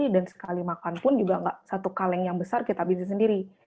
dan sekali makan pun juga gak satu kaleng yang besar kita abisin sendiri